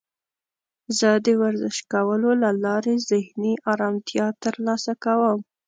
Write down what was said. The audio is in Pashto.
زه د ورزش کولو له لارې ذهني آرامتیا ترلاسه کوم.